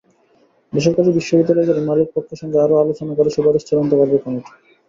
বেসরকারি বিশ্ববিদ্যালয়গুলোর মালিকপক্ষের সঙ্গে আরও আলোচনা করে সুপারিশ চূড়ান্ত করবে কমিটি।